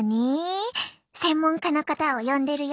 専門家の方を呼んでるよ。